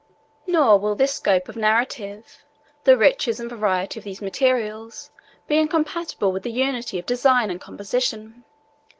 Nor will this scope of narrative, the riches and variety of these materials, be incompatible with the unity of design and composition.